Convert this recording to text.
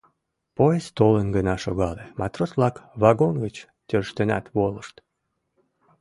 Поезд толын гына шогале, матрос-влак вагон гыч тӧрштенат волышт.